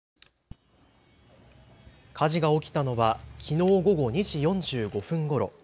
火事が起きたのはきのう午後２時４５分ごろ。